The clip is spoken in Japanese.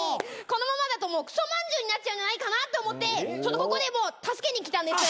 このままだとクソまんじゅうになっちゃうんじゃないかなと思ってちょっとここで助けに来たんです